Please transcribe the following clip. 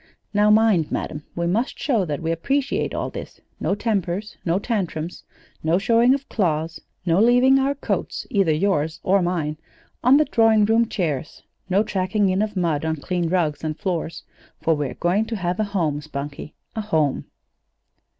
Now mind, madam! We must show that we appreciate all this: no tempers, no tantrums, no showing of claws, no leaving our coats either yours or mine on the drawing room chairs, no tracking in of mud on clean rugs and floors! For we're going to have a home, Spunkie a home!"